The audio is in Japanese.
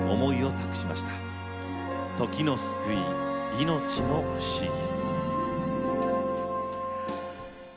「時の救い命の不思議」。